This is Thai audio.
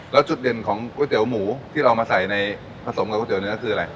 แล้วจุดเด่นของก๋วยเตี๋ยวหมูที่เรามาใส่ในผสมกับก๋วเนื้อคืออะไร